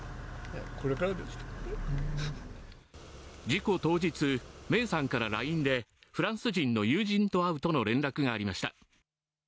事故当日、芽生さんからＬＩＮＥでフランス人の友人と会うと連絡がありました。